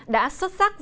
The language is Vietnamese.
đã xuất sắc giải thích